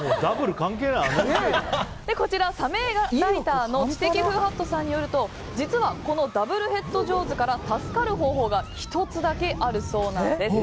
こちら、サメ映画ライターの知的風ハットさんによると実はこのダブルヘッド・ジョーズから助かる方法が１つだけあるそうなんです。